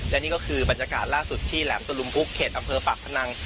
และนี่ก็คือบรรยากาศล่าสุดที่แหลมตะลุมพุกเขตอำเภอปากพนัง